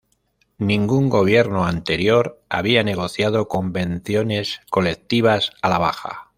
Ningún gobierno anterior había negociado convenciones colectivas a la baja.